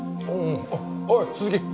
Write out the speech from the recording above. おい鈴木。